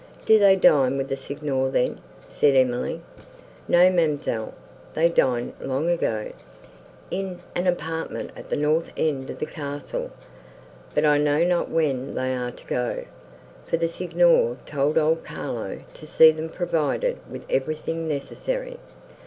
"Do they dine with the Signor, then?" said Emily. "No, ma'amselle, they dined long ago, in an apartment at the north end of the castle, but I know not when they are to go, for the Signor told old Carlo to see them provided with everything necessary.